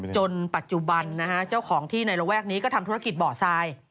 จนปัจจุบันนะฮะเจ้าของที่ในระแวกนี้ก็ทำธุรกิจบ่อทราย